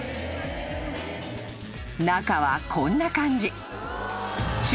［中はこんな感じ］